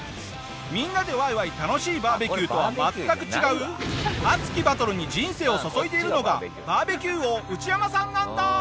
みんなでワイワイ楽しいバーベキューとは全く違う熱きバトルに人生を注いでいるのがバーベキュー王ウチヤマさんなんだ！